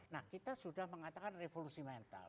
nah kita sudah mengatakan revolusi mental